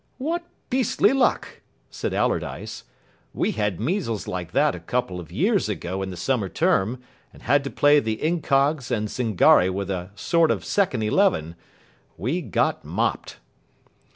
"What beastly luck," said Allardyce. "We had measles like that a couple of years ago in the summer term, and had to play the Incogs and Zingari with a sort of second eleven. We got mopped."